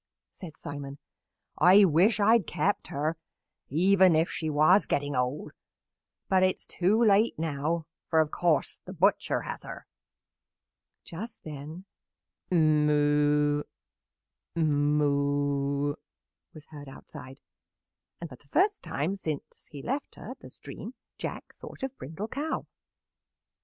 said Simon. "I wish I had kept her even if she was getting old; but it is too late now, for, of course, the butcher has her." Just then, "Moo, moo!" was heard outside, and for the first time since he left her at the stream Jack thought of Brindle Cow.